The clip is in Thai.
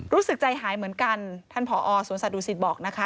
รู้สึกใจหายเหมือนกันท่านผอสวนสัตวศิษย์บอกนะคะ